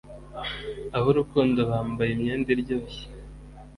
ab'urukundo bambaye imyenda iryoshye